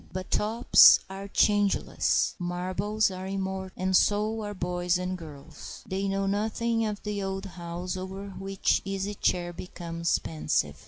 But tops are changeless, marbles are immortal, and so are boys and girls. They know nothing of the old house over which the Easy Chair becomes pensive.